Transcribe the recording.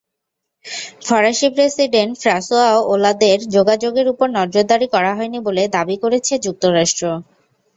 ফরাসি president Francois ওঁলাদের যোগাযোগের ওপর নজরদারি করা হয়নি বলে দাবি করেছে যুক্তরাষ্ট্র।